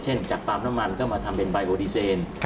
เช่นจากตามน้ำมันก็มาทำเป็นไบโอดิเซน